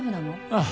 ああ。